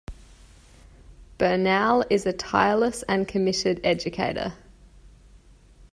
Bernal is a tireless and committed educator.